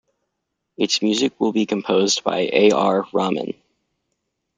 Its music will be composed by A. R. Rahman.